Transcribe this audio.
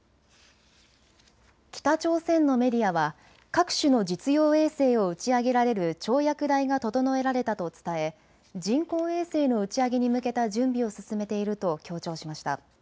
北朝鮮のメディアは各種の実用衛星を打ち上げられる跳躍台が整えられたと伝え人工衛星の打ち上げに向けた準備を進めていると強調しました。